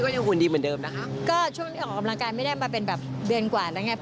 เฉินออกอำนังการไม่ได้มาเป็นเบียนกว่าน่ะไง